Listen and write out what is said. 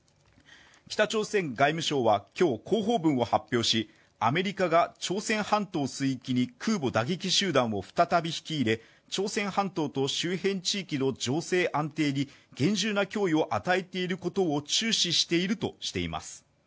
北朝鮮外務省は今日、広報文を発表しアメリカが朝鮮半島水域に空母打撃集団を再び引き入れ、朝鮮半島と周辺地域の情勢安定に厳重な脅威を与えていることを注視しているとしています。